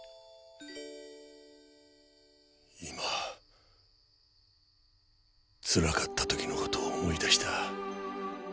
今つらかった時の事を思い出した。